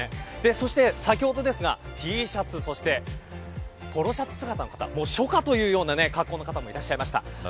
そして先ほどＴシャツ、そしてポロシャツ姿の方初夏というような格好の方もいました。